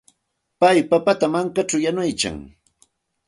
Pay papata mankaćhaw yanuyan.